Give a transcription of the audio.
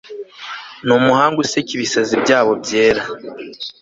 Numuhanga useka ibisazi byabo byera